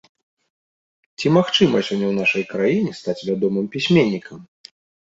Ці магчыма сёння ў нашай краіне стаць вядомым пісьменнікам?